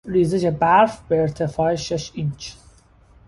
ریزش برف به ارتفاع شش اینچ